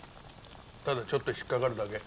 ただちょっと引っかかるだけ。